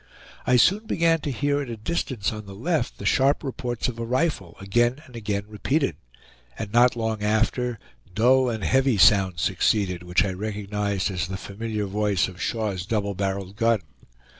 I soon began to hear at a distance on the left the sharp reports of a rifle, again and again repeated; and not long after, dull and heavy sounds succeeded, which I recognized as the familiar voice of Shaw's double barreled gun.